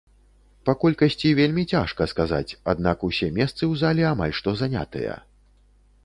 Па колькасці вельмі цяжка сказаць, аднак усе месцы ў залі амаль што занятыя.